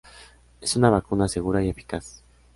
Es una vacuna segura y eficaz.